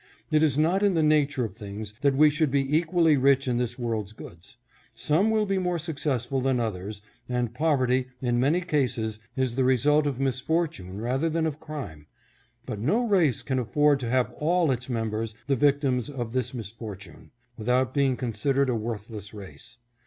It is not in the nature of things that we should be equally rich in this world's goods. Some will be more successful than others and poverty, in many cases, is the result of misfortune rather than of crime ; but no race can afford to have all its members the vic tims of this misfortune, without being considered a worthless race.